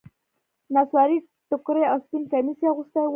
نصواري ټيکری او سپين کميس يې اغوستي وو.